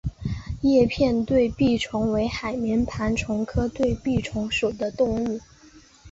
叶片对臂虫为海绵盘虫科对臂虫属的动物。